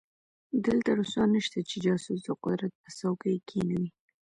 دلته روسان نشته چې جاسوس د قدرت پر څوکۍ کېنوي.